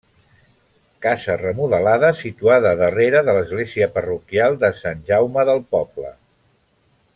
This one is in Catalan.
Casa remodelada situada darrere de l'església parroquial de Sant Jaume del poble.